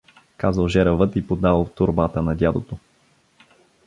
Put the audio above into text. — казал жеравът и подал торбата на дядото.